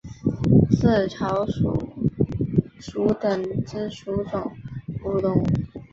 刺巢鼠属等之数种哺乳动物。